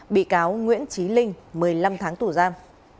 bị cáo nguyễn trí linh một mươi năm tháng tù giam